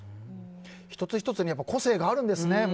１つ１つに個性があるんですね